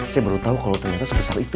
saya baru tahu kalau ternyata sebesar itu